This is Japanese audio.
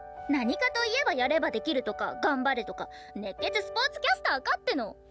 何かといえばやればできるとか頑張れとか熱血スポーツキャスターかっての。